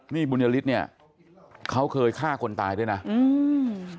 นี่บุญยฤทธิ์เนี่ยเขาเคยฆ่าคนตายด้วยนะอืม